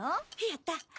やった。